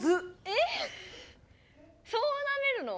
えっそうなめるの？